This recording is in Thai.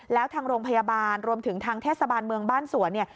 แล้วทางโรงพยาบาลรวมถึงทางเทศบาลเมืองบ้านสวนเนี่ย